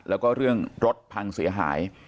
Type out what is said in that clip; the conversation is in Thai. แล้วก็เรื่องรถพังเสียหาย